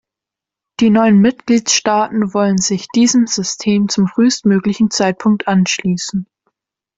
Die neuen Mitgliedstaaten wollen sich diesem System zum frühestmöglichen Zeitpunkt anschließen.